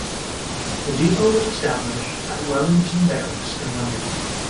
The depot was established at Wellington Barracks in London.